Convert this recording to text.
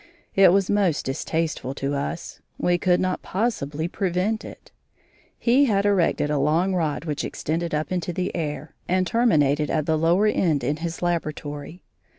It was most distasteful to us; we could not possibly prevent it. He had erected a long rod which extended up into the air, and terminated at the lower end in his laboratory.